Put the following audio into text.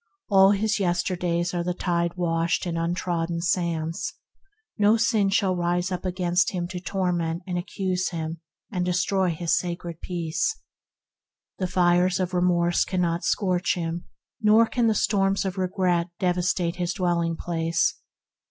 All his yesterdays are the tide washed and untrodden sands; no sin shall rise up against him to torment and accuse him and destroy his sacred peace; the fires of remorse cannot scorch him, nor can the storms of regret devastate his dwell ing place.